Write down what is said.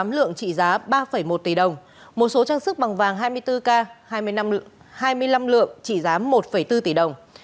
lượng trị giá ba một tỷ đồng một số trang sức bằng vàng hai mươi bốn k hai mươi năm lượng trị giá một bốn tỷ đồng